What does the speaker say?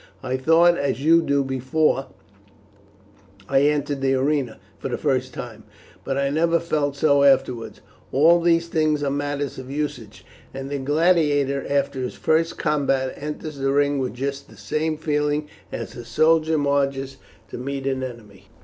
I thought as you do before I entered the arena the first time, but I never felt so afterwards. All these things are matters of usage, and the gladiator, after his first combat, enters the ring with just the same feeling as a soldier marches to meet an enemy."